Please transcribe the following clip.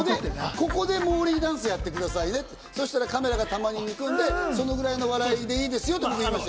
ここでモーリーダンスやってくださいねって、そしたらカメラがたまに抜くんで、それぐらいの笑いでいいですよって言いました。